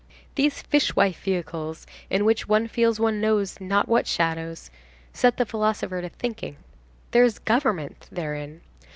These fishwife vehicles, in which one feels one knows not what shadows, set the philosopher to thinking. There is government therein.